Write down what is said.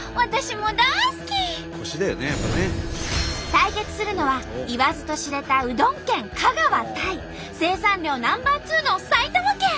対決するのは言わずと知れたうどん県香川対生産量Ｎｏ．２の埼玉県。